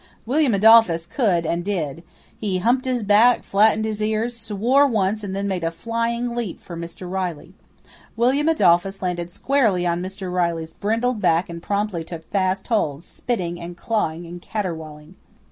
William Adolphus could and did. He humped his back, flattened his ears, swore once, and then made a flying leap for Mr. Riley. William Adolphus landed squarely on Mr. Riley's brindled back and promptly took fast hold, spitting and clawing and caterwauling.